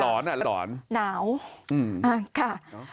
ร้อนอ่ะล้อนหนาวอืมอะค่ะ